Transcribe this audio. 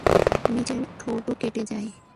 নিচের ঠোঁটও কেটে যায়।